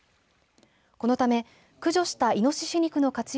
このため駆除したイノシシ肉の活用